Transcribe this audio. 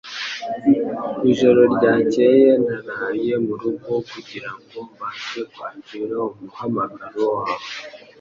Ijoro ryakeye naraye murugo kugirango mbashe kwakira umuhamagaro wawe.